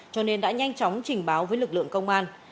cho nên đã nhanh chóng trình báo với lực lượng công an